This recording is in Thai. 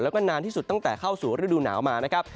แล้วก็นานที่สุดตั้งแต่เข้าสู่ฤดูหนาวมานะครับ